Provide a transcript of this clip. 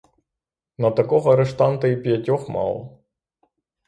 На такого арештанта і п'ятьох мало!